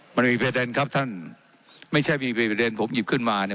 มันมีประเด็นครับท่านไม่ใช่มีประเด็นผมหยิบขึ้นมาเนี่ย